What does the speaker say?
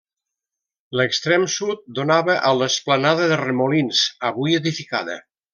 L'extrem sud donava a l'esplanada de Remolins, avui edificada.